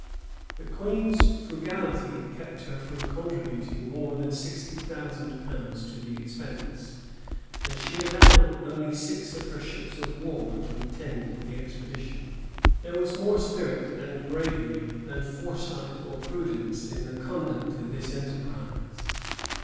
The queen's frugality kept her from contributing more than sixty thousand pounds to the expense; and she only allowed six of her ships of war to attend the expedition.[] There was more spirit and bravery than foresight or prudence in the conduct of this enterprise.